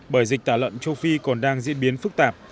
bởi dịch tả lợn châu phi còn đang diễn biến phức tạp